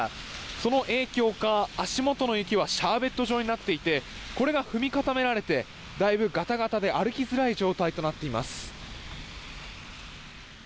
その影響か足元の雪はシャーベット状になっていてこれが踏み固められてだいぶガタガタで歩きづらい状態となっています。